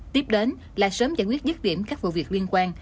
tiếp đến là sớm giải quyết dứt điểm các vụ việc liên quan